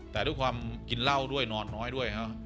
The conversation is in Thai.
แต่ด้วยความกินเหล้าด้วยนอนน้อยด้วยฮะ